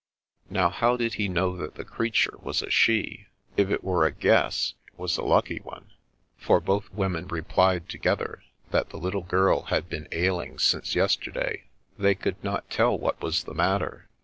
" Now, how did he know that the creature was a "she"? If it were a guess, it was a lucky one, for both women replied together that the little girl had been ailing since yesterday. They could not tell what was the matter.